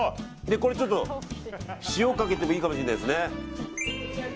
これちょっと塩かけてもいいかもしれないですね。